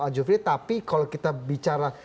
pak jufri tapi kalau kita bicara